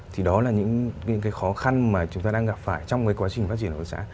thì đó là những cái khó khăn mà chúng ta đang gặp phải trong cái quá trình phát triển hợp tác xã